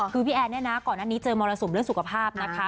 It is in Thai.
คือพี่แอนเนี่ยนะก่อนหน้านี้เจอมรสุมเรื่องสุขภาพนะคะ